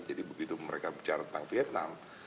jadi begitu mereka bicara tentang vietnam